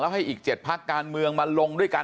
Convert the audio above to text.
แล้วให้อีกเจ็ดพลักษณ์การเมืองมาลงด้วยกัน